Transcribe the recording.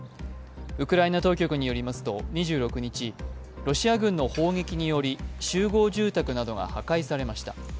ウクライナ当局によりますと２６日、ロシア軍の砲撃により集合住宅などが破壊されました。